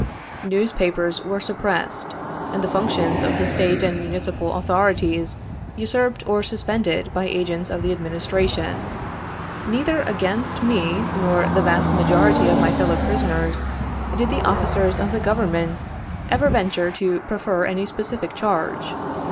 Newspapers were sup pressedj and the functions of the State and Municipal au thorities usurped or suspended by agents of the Adminis tration. Neither against me nor the vast majority of my lellow prisoners did the officers of the Government ever venture to prefer any specific charge.